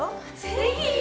ぜひ。